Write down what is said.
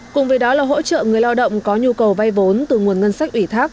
cùng với đó là hỗ trợ người lao động có nhu cầu vay vốn từ nguồn ngân sách ủy thác